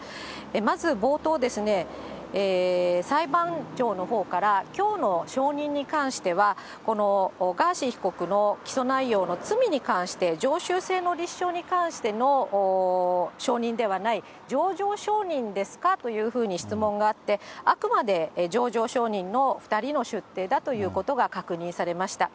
まず、冒頭ですね、裁判長のほうから、きょうの証人に関しては、ガーシー被告の起訴内容の罪に関して、常習性の立証に関しての承認ではない、情状証人ですかというふうに質問があって、あくまで情状証人の２人の出廷だということが確認されました。